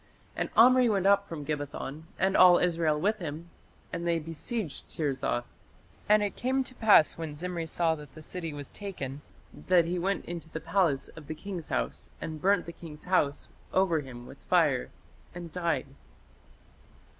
And Omri went up from Gibbethon and all Israel with him, and they besieged Tirzah. And it came to pass when Zimri saw that the city was taken, that he went into the palace of the king's house, and burnt the king's house over him with fire, and died."